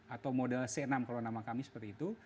atau modal c enam kalau nama kami